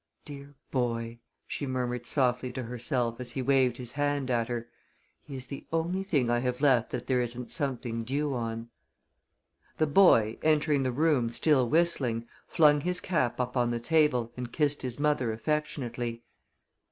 "Dear boy!" she murmured softly to herself as he waved his hand at her, "he is the only thing I have left that there isn't something due on." The boy, entering the room, still whistling, flung his cap up on the table and kissed his mother affectionately.